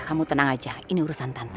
kamu tenang aja ini urusan tante